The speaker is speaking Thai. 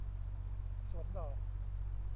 สวนดอก